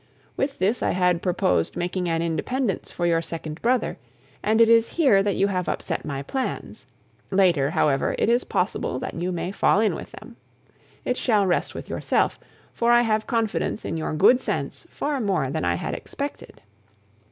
With this I had purposed making an independence for your second brother, and it is here that you have upset my plans. Later, however, it is possible that you may fall in with them. It shall rest with yourself, for I have confidence in your good sense far more than I had expected.